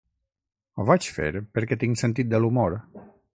Ho vaig fer perquè tinc sentit de l'humor.